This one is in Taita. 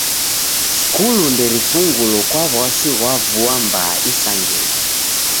Skulu nderifungulo kwa w'asi ghwa vua mbaa isangenyi.